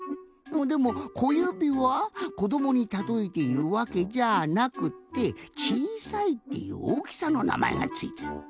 でも小指はこどもにたとえているわけじゃなくってちいさいっていうおおきさのなまえがついてる。